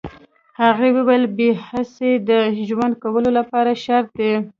هغه وویل بې حسي د ژوند کولو لپاره شرط ده